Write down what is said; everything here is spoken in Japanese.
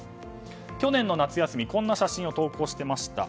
去年の夏休みこんな写真を投稿していました。